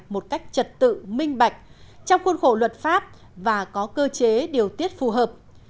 một cách trật tự minh bạch trong khuôn khổ luật pháp và có cơ chế điều tiết phù hợp